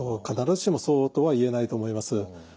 必ずしもそうとは言えないと思います。